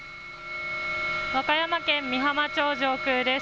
和歌山県美浜町上空です。